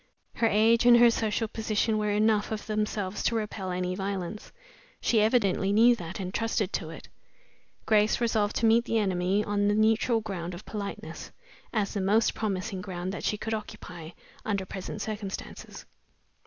Her age and her social position were enough of themselves to repel any violence. She evidently knew that, and trusted to it. Grace resolved to meet the enemy on the neutral ground of politeness, as the most promising ground that she could occupy under present circumstances.